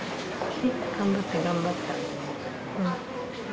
頑張った頑張った。